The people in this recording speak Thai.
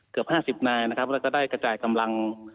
เกือบ๕๐นายและก็ได้กระจายกำลัง